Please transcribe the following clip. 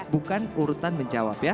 bukan urutan menjawab ya